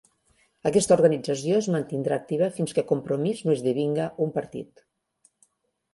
Aquesta organització es mantindrà activa fins que Compromís no esdevinga un partit.